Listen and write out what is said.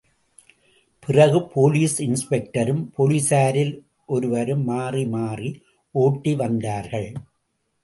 பிறகு போலீஸ் இன்ஸ்பெக்டரும் போலீசாரில் ஒருவரும் மாறி மாறி ஓட்டி வந்தார்கள்.